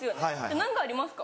何かありますか？